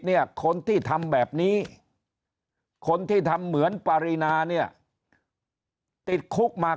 เนี่ยคนที่ทำแบบนี้คนที่ทำเหมือนปรินาเนี่ยติดคุกมา